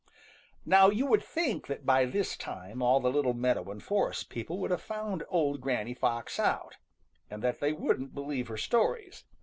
Now you would think that by this time all the little meadow and forest people would have found old Granny Fox out, and that they wouldn't believe her stories.